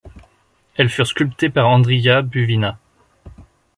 Elles furent sculptées par Andrija Buvina.